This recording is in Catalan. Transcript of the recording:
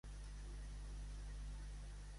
Què feien els seguidors en la novena que es celebrava?